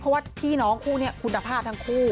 เพราะว่าพี่น้องคู่นี้คุณภาพทั้งคู่